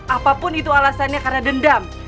apapun itu alasannya karena dendam